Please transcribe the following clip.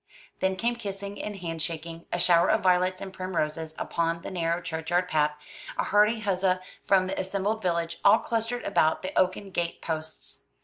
Then came kissing and handshaking, a shower of violets and primroses upon the narrow churchyard path, a hearty huzza from the assembled village, all clustered about the oaken gate posts.